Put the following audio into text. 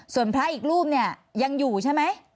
ส่วนพระอีกรูปเนี่ยยังอยู่ใช่ไหม